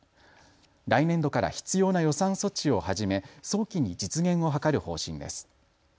来年度から必要な予算措置を始め早期に実現を図る方針です。